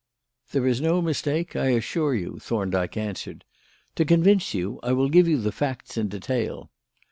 "There is no mistake, I assure you," Thorndyke answered. "To convince you, I will give you the facts in detail.